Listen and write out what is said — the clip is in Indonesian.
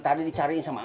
tadi dicari sama